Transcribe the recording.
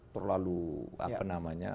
terlalu apa namanya